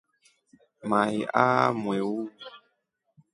Mai aa mwiui.